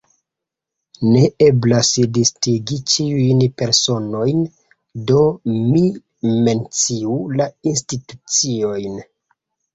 Ne eblas listigi ĉiujn personojn, do mi menciu la instituciojn.